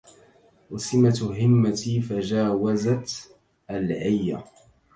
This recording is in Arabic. وسمت همتي فجاوزت العي